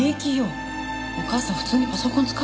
お母さん普通にパソコン使えるもの。